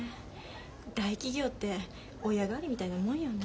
大企業って親代わりみたいなもんよね。